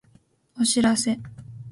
お知らせ